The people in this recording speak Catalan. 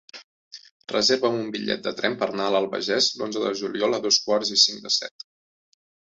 Reserva'm un bitllet de tren per anar a l'Albagés l'onze de juliol a dos quarts i cinc de set.